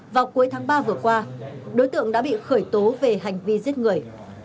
vào cuối tháng ba vừa qua đối tượng đã bị khởi tố về hành vi giết người